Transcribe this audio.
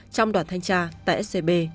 trong đoàn thanh tra tại scb